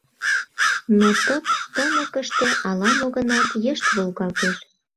Но тып-тымыкыште ала-мо гынат йышт волгалтеш…